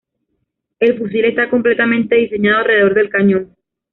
El fusil está completamente diseñado alrededor del cañón.